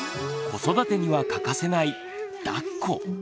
子育てには欠かせない「だっこ」。